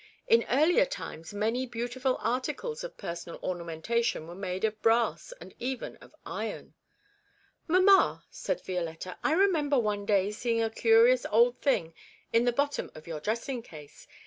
In earlier times many beautiful articles of personal ornamentation were made of brass and even of iron.' 'Mamma,' said Violetta, 'I remember one day seeing a curious old thing in the bottom of your dressing case.